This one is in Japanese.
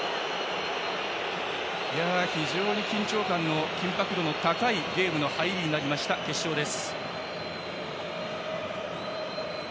非常に緊張感、緊迫度の高いゲームの入りになった決勝です。